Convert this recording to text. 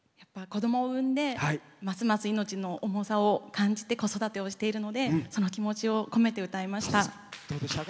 子どもを生んでますます命の重さを感じて子育てをしてるのでその気持ちを込めて歌いました。